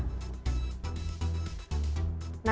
nah ini dia